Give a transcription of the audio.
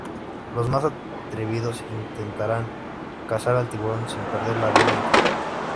Los más atrevidos intentarán cazar al tiburón sin perder la vida en ello.